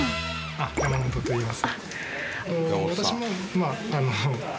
山本といいます。